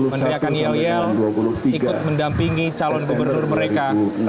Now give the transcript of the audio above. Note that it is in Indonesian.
menteri akan yel yel ikut mendampingi calon gubernur mereka